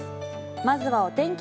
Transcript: まずはお天気